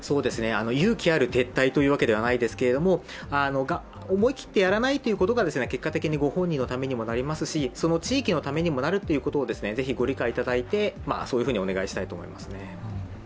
勇気ある撤退というわけではないですけど、思い切ってやらないことが結果的にご本人のためにも地域のためにもなりますし、ぜひご理解いただいて、そういうふうにお願いしたいと思いますね。